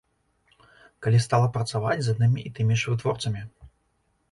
Калі стала працаваць з аднымі і тымі ж вытворцамі.